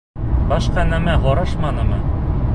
Башҡа нәмә һорашманымы?